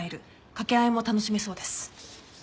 掛け合いも楽しめそうです。